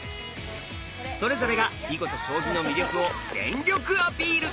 それぞれが囲碁と将棋の魅力を全力アピール！